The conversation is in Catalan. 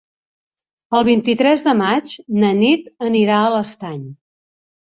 El vint-i-tres de maig na Nit anirà a l'Estany.